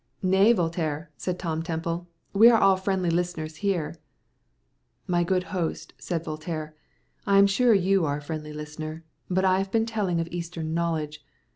"Nay, Voltaire," said Tom Temple, "we are all friendly listeners here." "My good host," said Voltaire, "I am sure you are a friendly listener, but I have been telling of Eastern knowledge.